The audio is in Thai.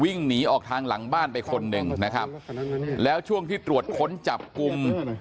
วิ่งหนีออกทางหลังบ้านไปคนหนึ่งนะครับแล้วช่วงที่ตรวจค้นจับกลุ่ม